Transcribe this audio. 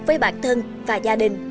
với bạn thân và gia đình